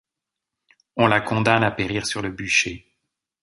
On la condamne à périr sur le bûcher.